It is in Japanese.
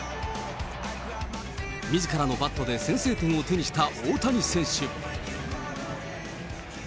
みずからのバットで先制点を手にした大谷選手。